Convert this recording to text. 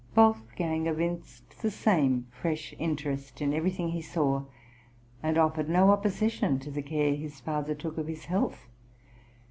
Wolfgang evinced the same fresh interest in everything he saw, and offered no opposition to the care his father took of his health.